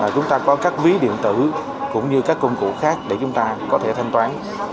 chúng ta có các ví điện tử cũng như các công cụ khác để chúng ta có thể thanh toán